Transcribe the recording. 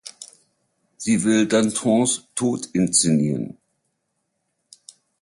Sie will Dantons Tod inszenieren.